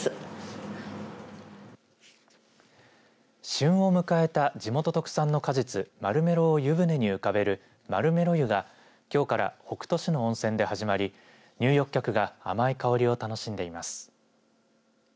旬を迎えた地元特産の果実マルメロを湯船に浮かべるマルメロ湯がきょうから北斗市の温泉で始まり入浴客が甘い香りを楽しんでいます。